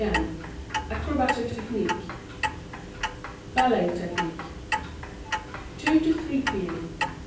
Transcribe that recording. M. {Acrobatic Technique {Ballet Technique 2 to 3 P.M.